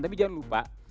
tapi jangan lupa